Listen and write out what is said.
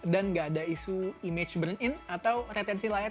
dan nggak ada isu image burn in atau retensi layar